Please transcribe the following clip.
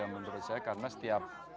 menurut saya karena setiap